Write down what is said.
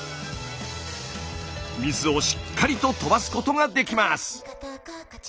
水をしっかりと飛ばすことができます。